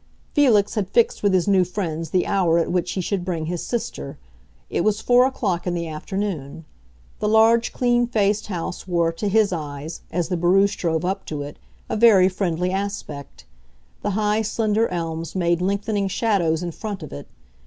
Felix had fixed with his new friends the hour at which he should bring his sister; it was four o'clock in the afternoon. The large, clean faced house wore, to his eyes, as the barouche drove up to it, a very friendly aspect; the high, slender elms made lengthening shadows in front of it.